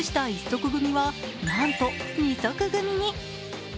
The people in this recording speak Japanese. １足組は、なんと２足組に。